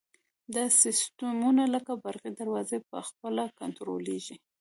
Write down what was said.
دا سیسټمونه لکه برقي دروازې په خپله کنټرولیږي.